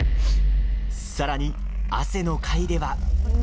さらに汗の回では。